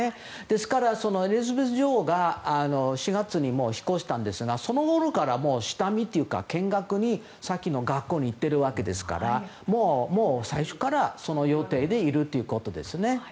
ですから、エリザベス女王が４月にも引っ越したんですがそのころから下見というか見学にさっきの学校に行っているわけですから最初からその予定でいるということです。